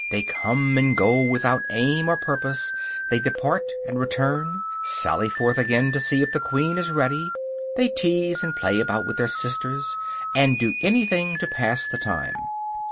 They come and go without aim or purpose; they depart and return, sally forth again to see if the queen is ready; they tease and play about with their sisters, and do anything to pass the time.